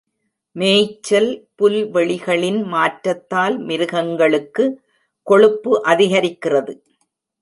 மேய்ச்சல் புல்வெளிகளின் மாற்றத்தால் மிருகங்களுக்கு கொழுப்பு அதிகரிக்கிறது.